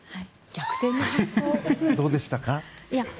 どうでしたか？